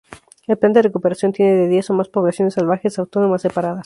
El plan de recuperación tiene de diez o más poblaciones salvajes autónomas separadas.